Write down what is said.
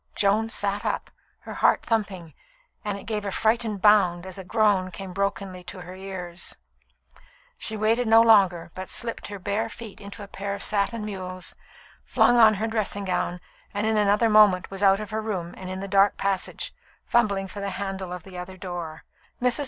Joan sat up, her heart thumping, and it gave a frightened bound as a groan came brokenly to her ears. She waited no longer, but slipped her bare feet into a pair of satin mules, flung on her dressing gown, and in another moment was out of her room and in the dark passage, fumbling for the handle of the other door. Mrs.